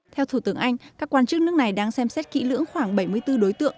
theo thủ tướng anh các quan chức nước này đang xem xét kỹ lưỡng khoảng bảy mươi bốn đối tượng